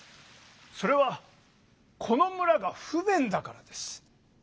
それはこの村が不便だからです！